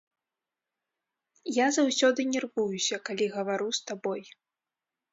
Я заўсёды нервуюся, калі гавару з табой.